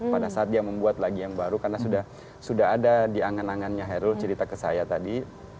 pada saat dia membuat lagi yang baru karena sudah ada di angan angannya hairul cerita ke saya tadi